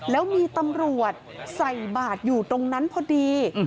แล้วมีตำรวจใส่บาทอยู่ตรงนั้นพอดี